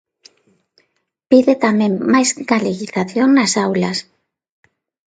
Pide tamén máis galeguización nas aulas.